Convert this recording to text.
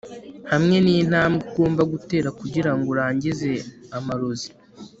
hamwe nintambwe ugomba gutera kugirango urangize amarozi